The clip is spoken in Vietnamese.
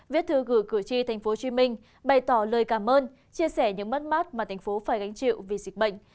viết thư gửi cử tri tp hcm bày tỏ lời cảm ơn chia sẻ những mất mát mà thành phố phải gánh chịu vì dịch bệnh